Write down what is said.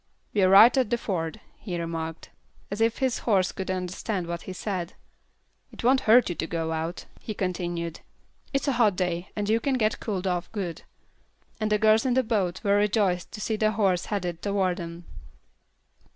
"We're right at the ford," he remarked, as if his horse could understand what he said. "It won't hurt you to go out," he continued. "It's a hot day, and you can get cooled off good." And the girls in the boat were rejoiced to see the horse headed toward them.